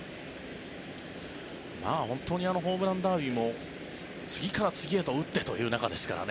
本当にホームランダービーも次から次へと打ってという中ですからね。